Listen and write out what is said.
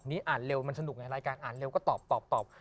นี่อ่านเร็วมันสนุกไงรายการอ่านเร็วก็ตอบ